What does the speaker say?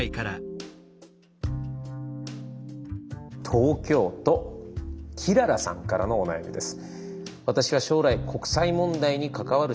東京都きららさんからのお悩みです。